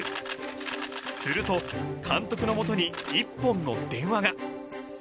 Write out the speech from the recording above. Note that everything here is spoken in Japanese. すると監督のもとに１本の電話が。